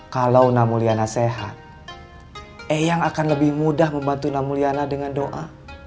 kalau namuliana sehat eyang akan lebih mudah membantu namuliana dengan doa